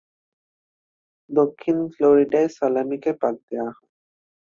দক্ষিণ ফ্লোরিডায় সালামিকে বাদ দেওয়া হয়।